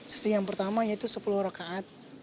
sesi yang pertama yaitu sholat raweh